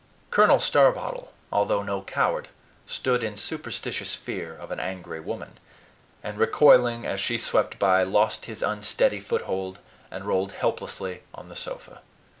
Colonel Starbottle, although no coward, stood in superstitious fear of an angry woman, and, recoiling as she swept by, lost his unsteady foothold and rolled helplessly on the sofa.